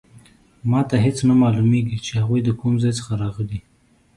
ما ته هیڅ نه معلومیږي چې هغوی د کوم ځای څخه راغلي